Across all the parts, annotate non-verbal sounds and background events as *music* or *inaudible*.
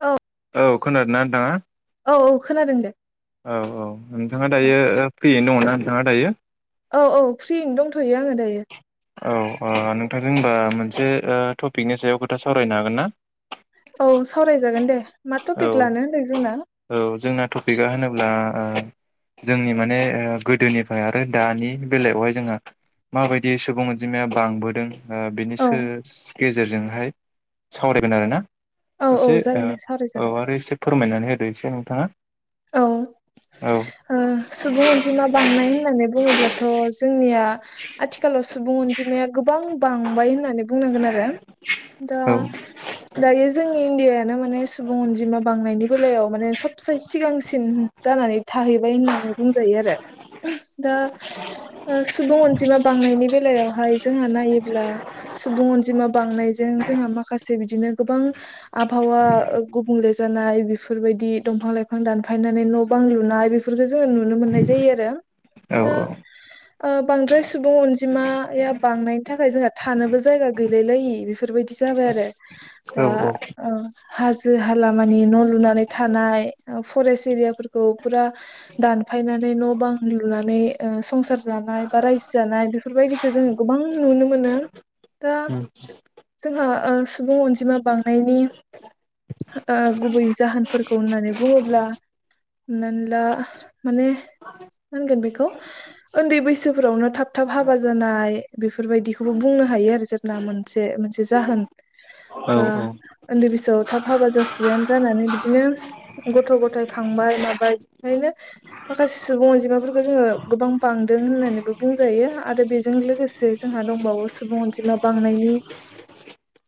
औ औ खोनादोंना नंथांङा? औ औ खोनादों दे औ औ नोंथाङा दायो फ्रियैनो दङना नोंथाङा दायो? औ औ फ्रियैनो दंथ'यो आङो दायो। औओ नोंथांजों होमबा मोनसेओ टपिकनि सायाव खोथा सावरायनो हागोन ना? औ सावरायजागोन दे मा औ टपिक लानो होनदों जोंना औ जोंना टपिकआ होनोब्ला ओ जोंनि माने ओ गोदोनिफ्राय आरो दानि बेलायावहाय जोंओ माबायदि सुबुं अनजिमाया बांबोदों। ओ बिनि औ सो गेजेरजोंहाय सावरायगोन आरो ना औ औ जागोन दे सार औ आरो एसे फोरमायनानै होदो एसे नोंथाङा औ औ ओ सुबुं अनजिमा बांनाय होननानै बुङोब्लाथ' जोंनिया आथिखालाव सुबुं अनजिमाया गोबां बांबाय होननानै बुंनांगोन आरो दा औ दायो जोंनि इण्डियानो माने सुबुं अनजिमा बांनायनि बेलायाव माने सोबसे सिगांसिन जानानै थाहैबाय होननानै बुंजायो आरो दा सुबुं अनजिमा बांनायनि बेलायाव हाय जोंहा नायोब्ला सुबुं अनजिमा बांनायजों जोंहा माखासे बिदिनो गोबां आबहावा गुबुंले जानाय बेफोरबायदि दंफां लाइफां दानफायनानै न' बां लुनाय बेफोरफोरखौ जोङो नुनो मोननाय जायो आरो औ दा औ ओ बांद्राय सुबुं अनजिमाया बांनायनि थाखाय जोंहा थानोबो जायगा गैलाय लायि बेफोरबायदि जाबाय आरो औ दा हाजो हा मानि न' लुनानै थानाय फरेस्ट एरियाफोरखौ फुरा दानफायनानै न' बां लुनानै संसार जा- - बा रायजो जानाय बेफोरबायदिखौ जोङो गोबां नुनो मोनो दा जोंहाओ सुबुं अनजिमा बांनायनि ओ गुबै जाहोनफोरखौ होननानै बुङोब्ला। हमनानैला माने होनगोन बेखौ उन्दै बैसोफोरावनो थाब थाब हाबा जानाय बेफोरबायदिखौबो बुंनो हायो आरो जेल्बा मोनसे जाहोन बा औ उन्दै बैसोआव थाब हाबा जासिगोन जानानै बिदिनो गथ' गथाय खांबाय माबाय ओंखायनो माखासे सुबुं अनजिमाफोरखौ जोङो गोबां बांदो होननानैबो बुंजायो आरो बेजों लोगोसे जोंहा दंबावो सुबुं अनजिमा बांनायनि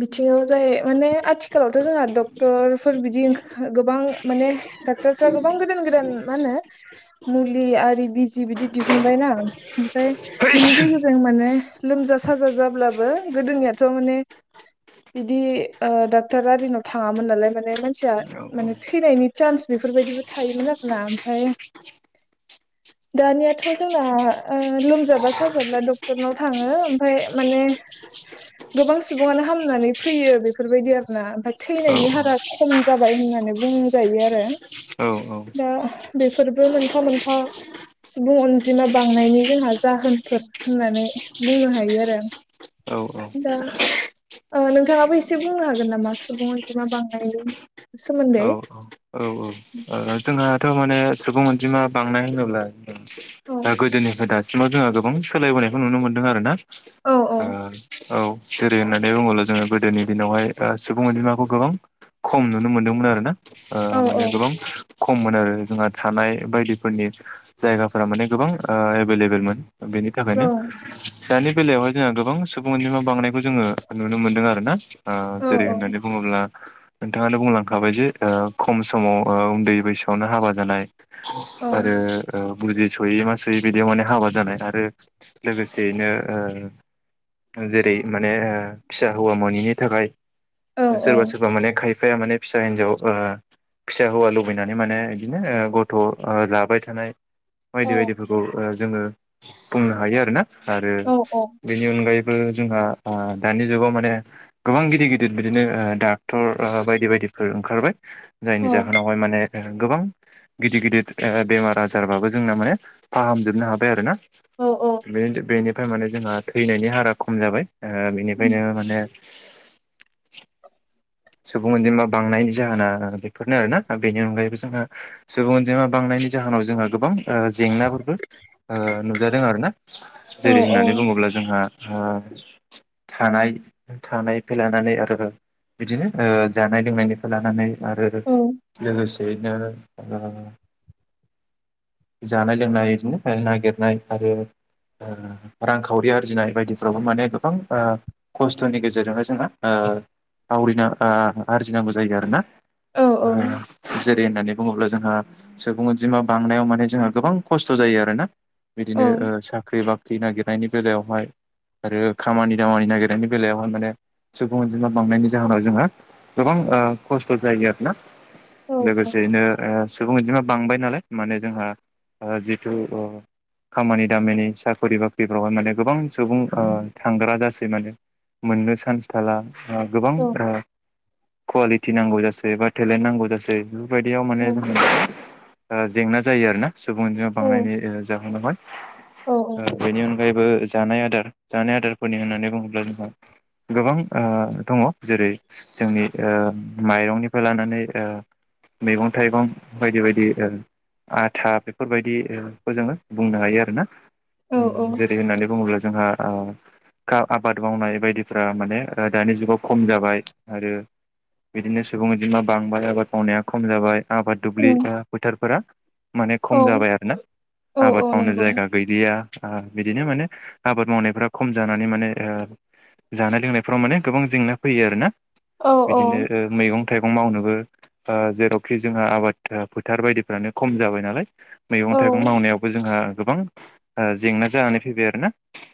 बिथिङाव जाय माने आथिखालावथ' जोंहा डक्टरफोर बिदि गोबां माने डाक्टरफ्रा गोबां गोदान गोदान मा होनो मुलि आरि बिजि बिदि दिहुनबायना ओमफ्राय बिनि गेजेरजों माने लोमजा जा साजा जाब्लाबो गोदोनियाथ' माने बिदि डक्ट'र आरिनाव थाङामोन नालाय माने मानसिया औ माने थैनायनि चान्स बेफोरबायदिबो थायोमोन आरोना ओमफ्राय दानियाथ' जोंना ओ लोमजाबा साजाब्ला डक्टरनाव थाङो ओमफ्राय माने गोबां सुबुङानो हामनानै फैयो बेफोरबायदि आरोना ओमफ्राय औ थैनायनि हारा खम जाबाय होननानै बुंजायो आरो औ औ औ दा बेफोरबो मोनफा मोनफा सुबुं अनजिमा बांनायनि जोंहा जाहोनफोर होननानै बुंनो हायो आरो औ औ नोंथांङाबो एसे बुंनो हागोन नामा सुबुं अनजिमा बांनायनि सोमोन्दै औ औ उम जोंहाथ' माने सुबुं अनजिमा बांनाय होनोब्ला औ दा गोदोनिफ्राय दासिम जोंहा गोबां सोलायबोनायखौ नुनो मोनदों आरो ना औ औ जेरै होननानै बुंङोबल' जोङो गोदोनि दिनावहाय सुबुं अनजिमाखौ गोबां खम नुनो मोन्दोंमोन आरो ना आ औ माने गोबां खममोन आरो जोंहा थानाय बायदिफोरनि जायगाफोरा माने गोबां एभेलेबेलमोन बेनि औ थाखायनो दानि बेलायावहाय जोंहा गोबां सुबुंनि बांनाय जोंङो नुनो मोनदों आरोना औ जेरै होननानै बुंङोब्ला नोंथांङानो बुंलांखाबाय जे खम समाव उन्दै बैसोआवनो हाबा जानाय औ आरो बुजि सोयै मा सोयै बिदियाव माने हाबा जानाय आरो लोगोसेयैनो जेरै माने फिसा हौवा मैनि थाखाय औ सोरबा सोरबा माने खायफाया माने फिसा हिनजाव फिसा हौवााल माने बिदिनो गथ' लाबाय थानाय बायदि बायदि जोंङो बुंनो हायो आरोना आरो औ औ बेनि अनगायै जोंहा दानि जुगाव माने गोबां गिदिर गिदिर बिदिनो डाक्टर बायदि बायदि ओंखारबाय जायनि जाहोनाव गोबां गिदिर गिदिर बेमार आजारबाबो जोंना माने फाहामजोबनो हाबाय आरो ना बेनिफ्राय माने जोंहा थैनायनि हारा खम जाबाय बेनिफ्रायनो माने *inaudible* सुबुं अनजिमा बांनायनि जाहोना बेफोरनो आरोना बेनि अनगायैबो जोंहा सुबुं अनजिमा बांनायनि जाहोनाव जोंहा गोबां जेंनाफोरबो नुजादों आरोना जेरै होननानै बुंङोब्ला जोंहा थानाय थानायनिफ्राय लानानै आरो बिदिनो जानाय लोंनायनिफ्राय लानानै आरो लोगोसे बेदिनो जानाय लोंनाय बिदिनो नागिरनाय आरो रांखावरि आरजिनाय बायदिफ्रावबो माने गोबां खस्थ'नि गेजेरजोंनो जोंङो आरजिनांगौ जायो आरोना जै होननानै बुंङोब्ला जोंहा सुबुं अनजिमा बांनायाव माने जोंहा गोबां खस्थ' जायो आरोना बिदिनो साख्रि बाख्रि नागिर नागिरनायनि बेलायावहाय आरो खामानि दामानि नागिरनायनि बेलायावहाय माने सुबुं अनजिमा बांनायनि जाहोनाव जोंहा गोबां खस्थ' जायो आरोना लोगोसेयैनो सुबुं बिदिमा बांबाय नालाय माने जोंहा जिथु खामानि दामानि साख्रि बाख्रिफ्रावहाय माने गोबां सुबुं थांग्रा जासै माने मोननो चान्स थाला गोबां कुवालिटि नांगौ जासै बा टेलेन्ट नांगौ जासै बेफोरबायदियाव माने जों जेंना जायो आरोना सुबुंजों बांनायनि जाहोनावहाय। बेनि अनगायैबो जानाय आदार जानाय आदारफोरनि होननानै बुंङोब्ला जोंहा गोबां दंङो जेरै जोंनि माइरंनिफ्राय लानानै मैगं थाइगं बायदि बायदि आथा बेफोरबायदिखौ जोंङो बुंनो हायो आरोना। औ जेरै होननानै बुंङोब्ला जोंहा आबाद मावनाय बायदिफोरा माने दानि जुगाव खम जाबाय आरो बिदिनो सुबुं अनजिमा बांबाय आबाद मावनाया खम जाबाय आबाद दुब्लि फोथारफोरा माने खम जाबाय आरोना आबाद औ मावनो नंगौ जायगा गैलिया। आ बिदिनो माने आबाद मावनायफ्रा खम जानानै माने ओ जानाय लोंनायफ्राव माने गोबां जेंना फैयो आरोना औ बिदिनो औ मैगं थाइगं मावनोबो जेरावखि जोंहा आबाद फोथार बायदिफ्रानो खम जाबाय नालाय मैगं औ थाइगं मावनायावबो जोंहा गोबां जेंना जानानै फैबाय आरोना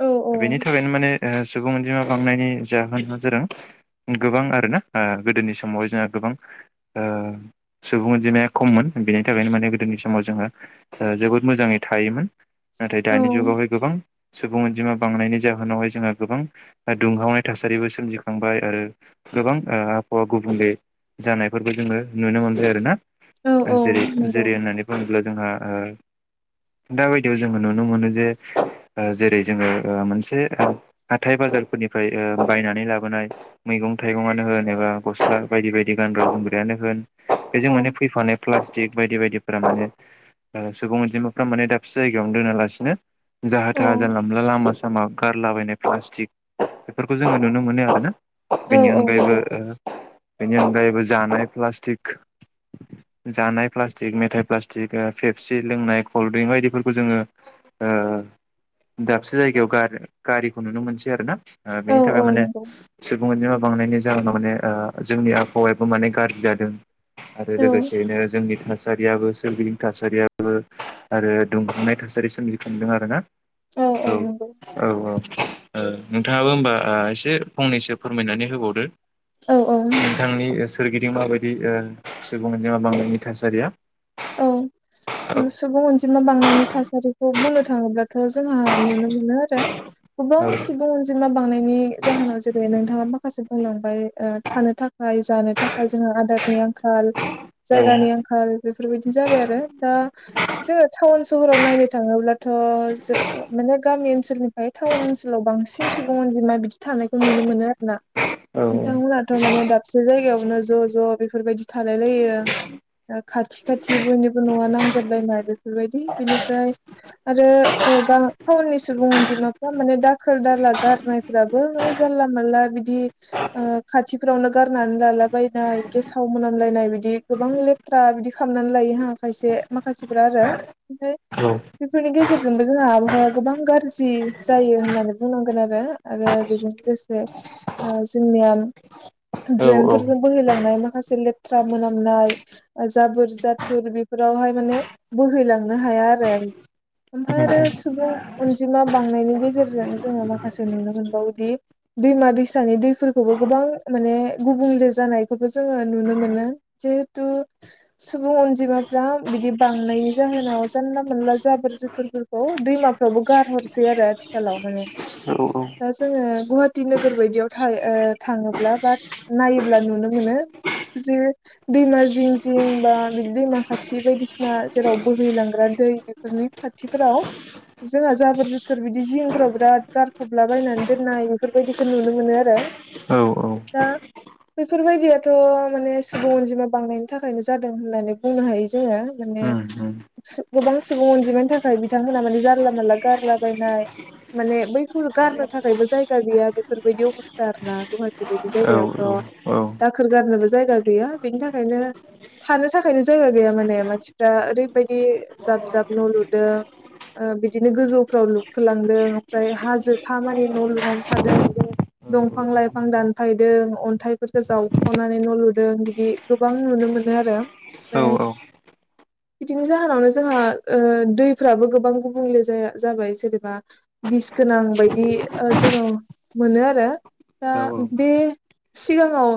औ बेनि थाखायनो माने सुबुं अनजिमा बांनायनि जाहोना जादों गोबां आरोना गोदोनि समावह जोंहा गोबां सुबुं अनजिमाया खममोन बेनि थाखायनो माने गोदोनि समाव जोङो जोबोद मोजाङै थायोमोन नाथाय दानि जुगावहाय गोबां सुबुं अनजिमा बांनायनि जाहोनावहाय जोंहा गोबां दुंहावनाय थासा रिबो सोमजि खांबाय आरो गोबां आबहावा गुबुंले जानायफोरबो जोङो नुनो मोनबाय आरोना। औ जेरै नंगौ जेरै होननानै बुङोब्ला जोंहा ओ दा बायदियाव जोङो नुनो मोनो जे जेरै जोङो मोनसे हाथाय बा बाजारफोरनिफ्राय ओ बायनानै ला बोनाय मैगं थाइगंनो होन एबा गस्ला बायदि बायदि गानग्रा जोमग्रायानो होन बेजों औ माने फैफानो प्लास्टिक बायदि बायदिफोरा माने सुबुं अनजिमाफ्रा माने दाबसे जायगायावनो दोनालासिनो जाहा औ थाहा जानला मोनला लामा सामा गारलाबायनाय प्लास्टिक बेफोरखौ जोङो नुनो मोनो आरोना। बेनि औ अनगायैबो नंगौ ओ बेनि अनगायैबो जानाय प्लास्टिक जानाय प्लास्टिक मेथाइ प्लास्टिक फेपसि लोंनाय कल्ड्रिंक बायदिफोरखौ जोङो ओ दाबसे जायगायाव गारि गारिखौ नुनो मोनसै आरोना। ओ औ बेनि औ थाखाय माने नंगौ सुबुं अनजिमा बांनायनि जाहोनाव माने ओ जोंनि आबहावायाबो माने गाज्रि जादों आरो लोगोसेयैनो जोंनि थासारियाबो सोरगिदिं थासारियाबो आरो दुंखांनाय था थासारि सोमजिखांदों आरोना। औ औ औ ओ नोंथाङाबो होमबा एसे फंनैसो फोरमायनानै होबावदो। औ औ नोंथांनि सोरगिदिं माबायदि सुबुं मा बांनायनि थासारिया औ औ सुबुं अनजिमा बांनायनि थासारिखौ बुंनो थाङोब्ला थ' जोंहा नुनो मोनो आरो गोबां औ सुबुं अनजिमा बांनायनि जाहोनाव जेरै नोंथाङा माखासे बुंलांबाय थानो थाखाय जानो था खाय जोंहा आदारनि आंखाल, औ जायगानि आंखाल बेफोरबायदिनो जाबाय आरो दा जोङो टाउन सहराव नायनो थाङोब्लाथ' ज माने गामि ओनसोलनिफ्राय टाउन ओनसोलाव बांसिन बांसिन सुबुं अनजिमा बिदि थानायखौ नुनो मोनो आरोना। औ बिथांमोनाथ' माने दाबसे जायगायावनो ज' ज' बेफोरबायदि थालाय लायो। दा खा थि खाथि बयनिबो नङा नांजाबलायनाय बेफोरबायदि बेनिफ्राय आरो गा टाउननि सुबुं अनजिमाफ्रा माने दाखोर दाला गारनायफ्राबो माने जानला मानला बिदि ओ खाथिफोरावनो गारनानै लालाबायनाय गेसाव मोनामलायनाय बिदि गोबां लेथ्रा बिदि खालामनानै लायोहा खायसे माखासेफ्रा आरो ओमफ्राय औ बेफोरनि गेजेरजोंबो जोंहा आबहावाया गोबां गाज्रि जायो होननानै बुंनांगोन आरो। आरो बेजों लोगोसे जों नि औ ड्रेनफोरजों बोहैलांनाय माखासे लेथ्रा मोनामनाय जाबोर जाथुर बेफोरावहाय माने बोहैलांनो हाया आरो। ओमफ्राय आरो सुबुं अनजिमा बांनायनि गेजेरजों जोङो माखासे नुनो मोनबावोदि दैमा दैसानि दैफोरखौबो गोबां माने गुबुंले जानायखौबो जोङो नुनो मोनो। जिहेतु *inaudible* सुबुं अनजिमाफ्रा बिदि बांनायनि जाहोनाव जानला मोनला जाबोर जोथुरफोरखौ दैमाफ्राव बो गारहरसै आरो आथिखालाव माने दा जोङो गुवाहाटिी नोगोर बायदियाव थाङोब्ला बा नायोब्ला नुनो मोनो जे दैमा जिं बा बिदि दैमा खाथि बायदिसिना जेराव बोहैलांग्रा दै बेफोरनि खाथिफोराव जोंहा जाबोर जुथोर बिदि जिंफोराव बिराद गारफबलाबायायनानै दोननाय बेफोरबायदिखौ नुनो मोनो आरो औ औ दा बेफोरबायदियाथ' माने सुबुं अनजिमा बांनाय थाखायनो जादों होननानै बुंनो हायो जोङो माने उम उम गोबां सुबुं अनजिमानि थाखाय बिथांमोनहा माने जारला मानला गारलाबायनाय माने बैखौ गारनो थाखायबो जायगा गैया बेफोरबायदि अबस्था आर ना गुवाहाटिी बायदि औ जायगायावथ' दाखोर गारनोबो जायगा गैया बेनि थाखायनो थानो थाखायनो जायगा गैया माने मानसिफ्रा ओरैबायदि जाब जाब न' लुदों ओ बिदिनो गोजौफ्राव लुखोलांदों ओमफ्राय हाजो सा मानि न' लुनानै थादों दंफां लाइफां दानफायदों अन्थाइफोरखौ जावख'नानै न' लुदों बिदि गोबां नुनो मोनो आरो ओमफ्राय औ *inaudible* बिदिनि जाहोनावनो जोंहा ओ दैफ्राबो गोबां गुबुंले जाया जाबाय जेनेबा बिस गोनां बायदि ओ जोङो मोनो आरो दा औ उम औ बे सिगाङाव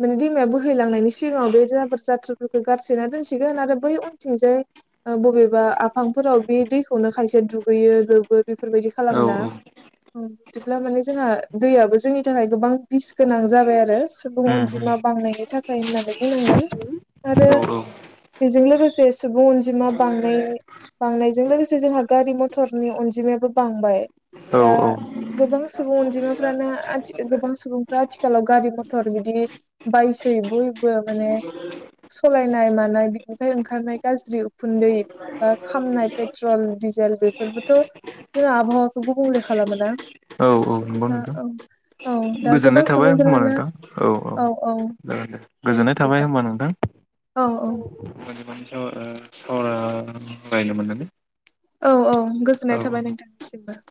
माने दैमाया बोहैलांनायनि सि सिगाङाव बे जाबोर जाथ्रोफोरखौ गारसोना दोनसिगोन आरो बै उनथिंजाय बबेबा आफांफोराव बे दैखौनो खायसे दुगैयो लोबो बेफोरबायदि खालामोना बिदिब्ला माने जोंहा दैयाबो जोंनि थाखाय गोबां बिस गोनां जाबाय आरो सुबुं अनजिमाया बांनायनि थाखाय होननानै बुंनांगोन आरो बेजों लोगोसे सुबुं अनजिमा बांनाय बांनायजों लोगोसे जोंहा गारि मथरनि अनजिमायाबो बांबाय औ दा गोबां सुबुं अनजिमाफ्रानो गोबां सुबुंफ्रा आथिखालाव गारि मथर बिदि बाइ सै बयबो माने सालायनाय मानाय बिनिफ्राय ओंखारनाय गाज्रि उखुन्दै बा खामनाय पेट्रल डिजेल बेफोरबोथ' जों आबहावाखौबो गुबुंले खालामोना औ औ नंगौ दा नोंथां औ औ दा गोजोननाय गोबां थाबाय होमबा सुबुंफोरानो नोंथां औ औ द दे गोजोननाय थाबाय होनोमबा नोंथां औ औ म म स सावराय रायनो मोननानै औ औ गोजोननाय औ थाबाय नोंथांनिसिमबो